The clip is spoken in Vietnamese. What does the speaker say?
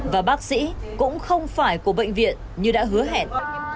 và bác sĩ cũng không phải của bệnh viện như đã hứa hẹn